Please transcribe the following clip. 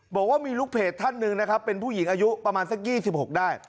บอกว่ามีลูกเพจท่านหนึ่งนะครับเป็นผู้หญิงอายุประมาณสัก๒๖ได้